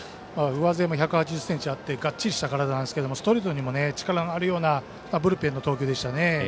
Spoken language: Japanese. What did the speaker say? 上背も１８０ｃｍあってがっちりした体ですがストレートにも力があるようなブルペンでの投球でした。